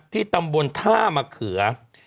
ตำบลท่ามะเขือ